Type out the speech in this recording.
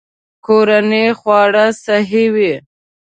کورني خواړه صحي وي.